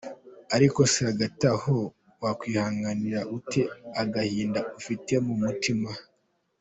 Ariko se hagati aho, wakwihanganira ute agahinda ufite mu mutima?.